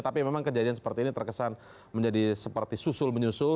tapi memang kejadian seperti ini terkesan menjadi seperti susul menyusul